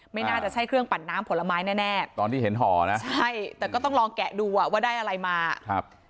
ไม่น่าจะใช่เครื่องปั่นน้ำผลไม้แน่แน่ตอนที่เห็นห่อนะใช่แต่ก็ต้องลองแกะดูอ่ะว่าได้อะไรมาครับ